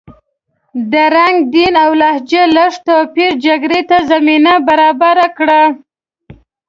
د رنګ، دین او لهجې لږ توپیر جګړې ته زمینه برابره کړه.